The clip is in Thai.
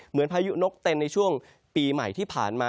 พายุนกเต็นในช่วงปีใหม่ที่ผ่านมา